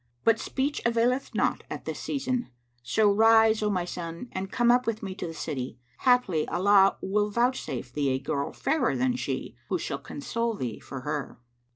But speech availeth not at this season; so rise, O my son, and come up with me to the city; haply Allah will vouchsafe thee a girl fairer than she, who shall console thee for her.